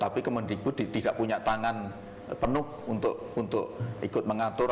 tapi kementerian pendidikan dan kebudayaan tidak punya tangan penuh untuk ikut mengatur